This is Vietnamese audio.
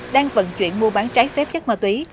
đang vận chuyển mua bán trái phép chất ma túy